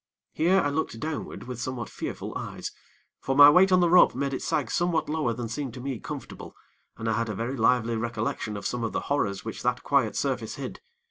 Here I looked downward with somewhat fearful eyes; for my weight on the rope made it sag somewhat lower than seemed to me comfortable, and I had a very lively recollection of some of the horrors which that quiet surface hid.